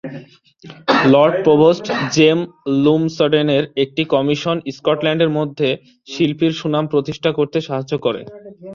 Lord provost James লুমসডেনের একটি commission স্কটল্যান্ডের মধ্যে শিল্পীর সুনাম প্রতিষ্ঠা করতে সাহায্য করে।